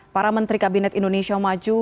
para menteri kabinet indonesia maju